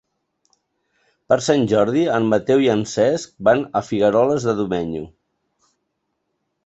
Per Sant Jordi en Mateu i en Cesc van a Figueroles de Domenyo.